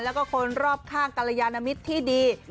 แล้วก็คนรอบข้างกรยานมิตรที่ดี